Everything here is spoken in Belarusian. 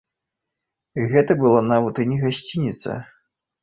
Гэта была нават і не гасцініца.